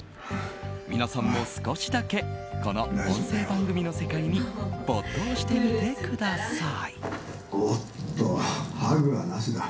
皆さんも少しだけこの音声番組の世界に没頭してみてください。